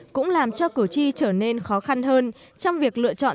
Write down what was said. cũng làm cho cử tri trở nên khó khăn hơn trong việc lựa chọn